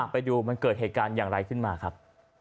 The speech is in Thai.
ไปดูมันเกิดเหตุการณ์อย่างไรขึ้นมาครับ